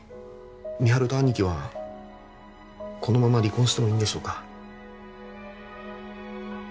美晴と兄貴はこのまま離婚してもいいんでしょうか？